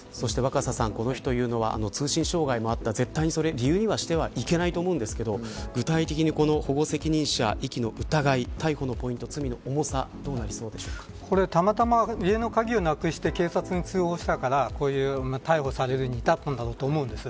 若狭さん、この日というのは通信障害もあった理由にしてはいけないと思うんですが具体的に、保護責任者遺棄の疑い逮捕のポイント、罪の重さたまたま家の鍵をなくして警察に通報されたから逮捕されるに至ったんだろうと思うんです。